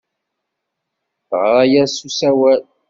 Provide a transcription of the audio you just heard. Teɣra-as s usawal.